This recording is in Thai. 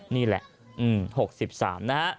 นี่แหละ๖๓นะฮะ